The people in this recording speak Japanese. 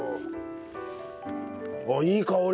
あっいい香り。